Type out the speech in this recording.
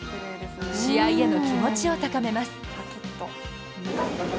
試合への気持ちを高めます。